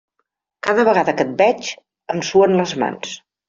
Cada vegada que et veig em suen les mans.